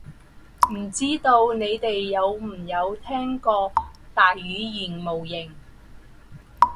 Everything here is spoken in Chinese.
不知道你有没有听过大语言模型？